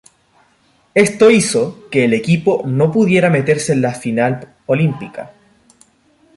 Esto hizo que el equipo no pudiera meterse en la final olímpica.